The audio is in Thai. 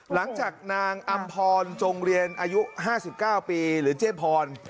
หลังจากนางอำพรจงเรียนอายุห้าสิบเก้าปีหรือเจ๊พร